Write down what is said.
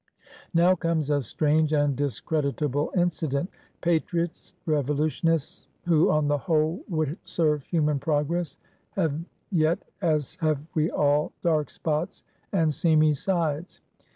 Now comes a strange and discreditable incident. Patriots, revolutionists, who on the whole would serve human progress, have yet, as have we all, dark spots and seamy sides.